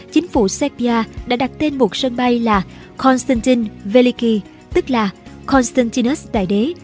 chính phủ sepia đã đặt tên một sân bay là constantin veliki tức là constantinus đại đế